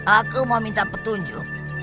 aku mau minta petunjuk